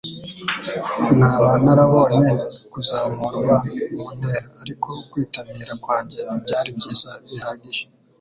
Naba narabonye kuzamurwa mu ntera, ariko kwitabira kwanjye ntibyari byiza bihagije.